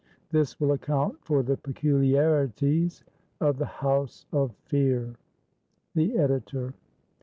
This will account for the peculiarities of the "House of Fear." The Editor.